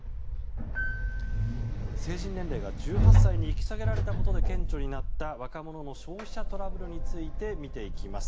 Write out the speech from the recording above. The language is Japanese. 成人年齢が１８歳に引き下げられたことで顕著になった若者の消費者トラブルについて見ていきます。